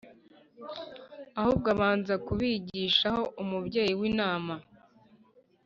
ahubwo abanza kubigishaho umubyeyi we inama,